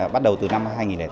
bắt đầu từ năm hai nghìn tám